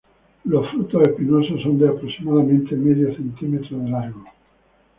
Los frutos espinosos son de aproximadamente medio centímetro de largo.